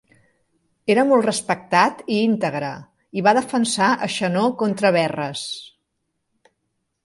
Era molt respectat i íntegre i va defensar a Xenó contra Verres.